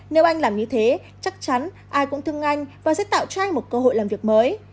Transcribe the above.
nếu anh làm như thế chắc chắn ai cũng thương anh và sẽ tạo cho anh một cơ hội làm việc mới